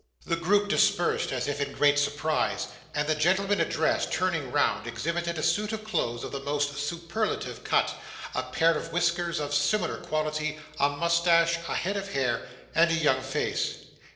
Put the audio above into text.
The group dispersed, as if in great surprise, and the gentleman addressed, turning round, exhibited a suit of clothes of the most superlative cut, a pair of whiskers of similar quality, a moustache, a head of hair, and a young face.